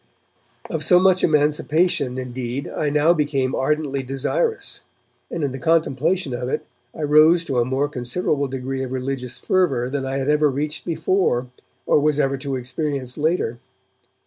Of so much emancipation, indeed, I now became ardently desirous, and in the contemplation of it I rose to a more considerable degree of religious fervour than I had ever reached before or was ever to experience later.